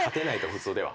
普通では。